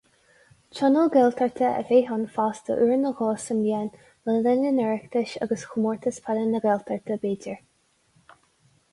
Tionól Gaeltachta a bheith ann feasta uair nó dhó sa mbliain, le linn an Oireachtais agus Chomórtas Peile na Gaeltachta, b'fhéidir.